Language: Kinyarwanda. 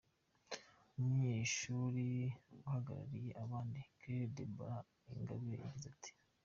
Umunyenshuri uhagarariye abandi, Claire Deborah Ingabire, yagize ati “.